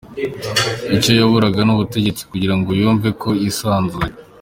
Icyo yaburaga ni ubutegetsi kugira ngo yumve ko yisanzuye?